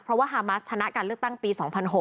เพราะว่าฮามัสชนะการเลือกตั้งปี๒๐๐๖